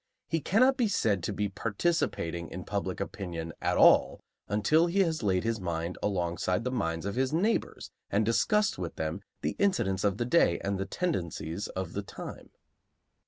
He cannot be said to be participating in public opinion at all until he has laid his mind alongside the minds of his neighbors and discussed with them the incidents of the day and the tendencies of the time.